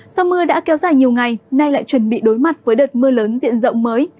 do mưa đã kéo dài nhiều ngày nay lại chuẩn bị đối mặt với đợt mưa lớn diện rộng mới